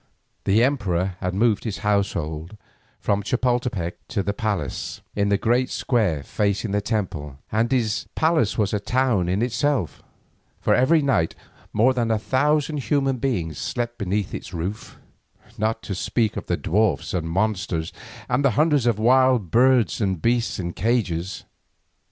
The emperor had moved his household from Chapoltepec to the palace in the great square facing the temple, and this palace was a town in itself, for every night more than a thousand human beings slept beneath its roof, not to speak of the dwarfs and monsters, and the hundreds of wild birds and beasts in cages.